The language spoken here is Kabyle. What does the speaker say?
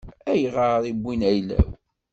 Ayɣer i wwin ayla-w?